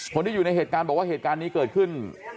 คนที่อยู่ในเหตุการณ์บอกว่าเหตุการณ์นี้เกิดขึ้น